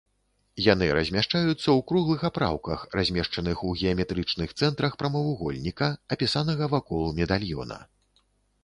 Яны размяшчаюцца ў круглых апраўках, размешчаных у геаметрычных цэнтрах прамавугольніка, апісанага вакол медальёна.